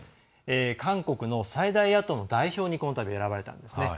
韓国の最大野党の代表にこのたび選ばれたんですね。